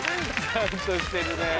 ちゃんとしてた。